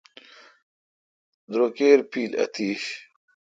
دروکیر پیل اتش۔